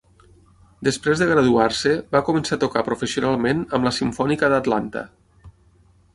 Després de graduar-se, va començar a tocar professionalment amb la Simfònica d'Atlanta.